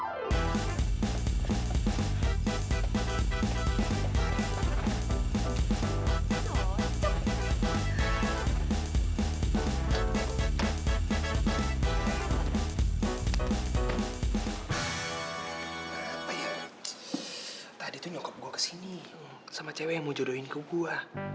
apa ya tadi tuh nyokap gue kesini sama cewek yang mau jodohin ke gue